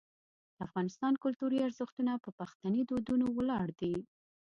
د افغانستان کلتوري ارزښتونه په پښتني دودونو ولاړ دي.